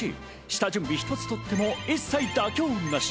下準備一つ取っても、一切妥協なし。